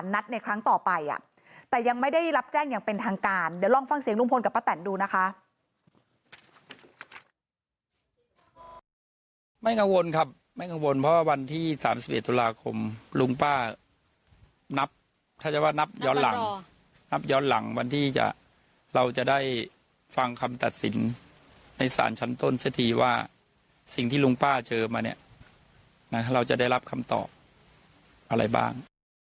ไม่กังวลครับไม่กังวลเพราะว่าวันที่สามสิบเอ็ดตุลาคมลุงป้านับถ้าจะว่านับย้อนหลังนับย้อนหลังวันที่จะเราจะได้ฟังคำตัดสินในสารชั้นต้นเศรษฐีว่าสิ่งที่ลุงป้าเจอมาเนี่ยน่ะเราจะได้รับคำตอบอะไรบ้าง